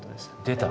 出た。